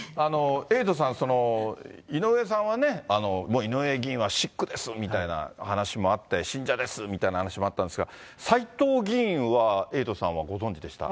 エイトさん、井上さんはね、もう井上議員はしっくですみたいな話もあって、信者ですみたいな話もあったんですが、斎藤議員は、エイトさんはご存じでした？